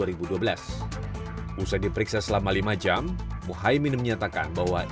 setelah diperiksa selama lima jam mohaimin menyatakan bahwa